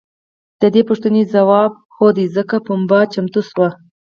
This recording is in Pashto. د دې پوښتنې ځواب هو دی ځکه پنبه چمتو شوې.